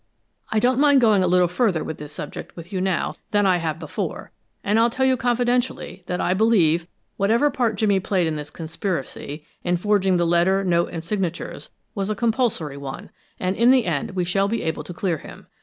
I don't mind going a little further with this subject with you now than I have before, and I'll tell you confidentially that I believe whatever part Jimmy played in this conspiracy, in forging the letter, note, and signatures, was a compulsory one; and in the end we shall be able to clear him.